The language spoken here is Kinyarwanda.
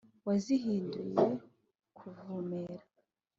wazihinduye kuvumera,.